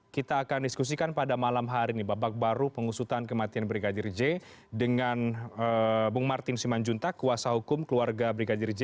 kita akan diskusikan pada malam hari ini babak baru pengusutan kematian brigadir j dengan bung martin simanjuntak kuasa hukum keluarga brigadir j